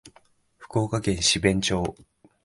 福岡県志免町